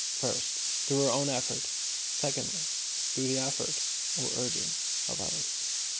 First, through our own effort, secondly, through the effort or urging of others.